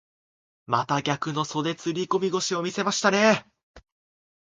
また逆の袖釣り込み腰を見せましたね。